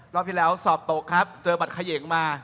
รอบที่เหลาสอบตกครับเจอบัตรเขยิงมา